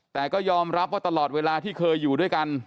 แต่ก็ยอมรับว่าตลอดเวลาที่เคยอยู่ด้วยกัน